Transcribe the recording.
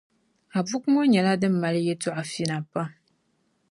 A buku ŋɔ nyɛla din mali yɛltɔɣa fina pam.